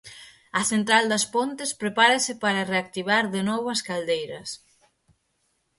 A central das Pontes prepárase para reactivar de novo as caldeiras.